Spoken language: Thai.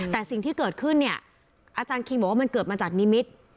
แต่สิ่งที่เกิดขึ้นเนี่ยอาจารย์คิงบอกว่ามันเกิดมาจากนิมิตร